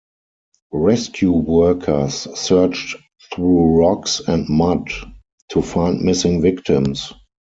Rescue workers searched through rocks and mud to find missing victims.